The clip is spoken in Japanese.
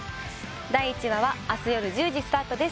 第１話は明日よる１０時スタートです